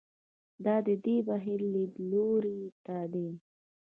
دا د دې بهیر لیدلوري ته ده.